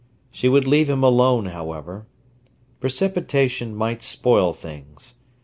She would leave him alone, however. Precipitation might spoil things.